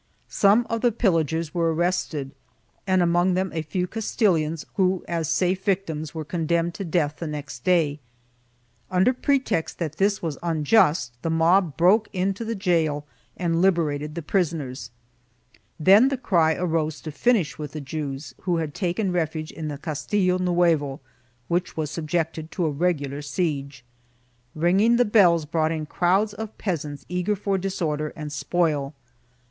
Some of the pillagers were arrested, and among them a few Castilians who, as safe victims, were con demned to death the next day. Under pretext that this was unjust the mob broke into the gaol and liberated the prisoners. 1 Amador de los Rios, II, 595 604. CHAP. Ill] THE MASSACRES OF 1391 109 Then the cry arose to finish with the Jews, who had taken refuge in the Castillo Nuevo, which was subjected to a regular siege. Ringing the bells brought in crowds of peasants eager for dis order and spoil.